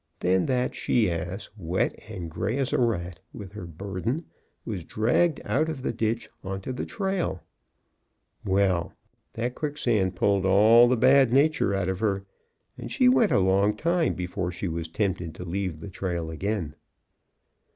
Then that she ass, wet and gray as a rat, with her burden, was dragged out of the ditch into the trail. Well, that quicksand pulled all the bad nature out of her, and she went a long time before she was tempted to leave the trail again.